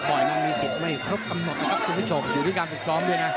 นั้นมีสิทธิ์ไม่ครบกำหนดนะครับคุณผู้ชมอยู่ที่การฝึกซ้อมด้วยนะ